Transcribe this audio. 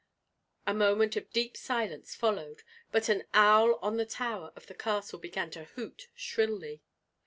A moment of deep silence followed; but an owl on the tower of the castle began to hoot shrilly.